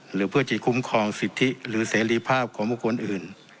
หรือเพื่อจะคุ้มครองสิทธิหรือเสรีภาพของบุคคลอื่น